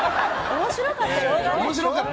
面白かったですよ。